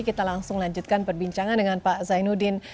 kita langsung lanjutkan perbincangan dengan pak zainuddin